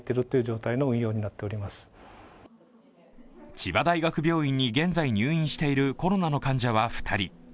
千葉大学病院に現在入院しているコロナの患者は２人。